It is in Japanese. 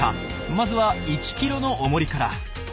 まずは１ｋｇのおもりから。